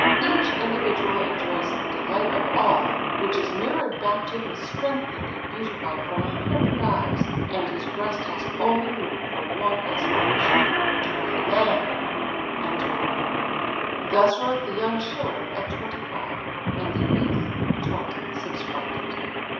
Each individual enjoys the delight of all, which is mirrored back to him strengthened and beautified from a hundred eyes, and his breast has only room for one aspiration, to be a man!" Thus wrote the young Schiller at twenty five, and the youth of twenty subscribed it.